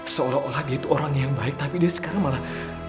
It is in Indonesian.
seolah olah dia itu orang yang baik tapi dia sekarang malah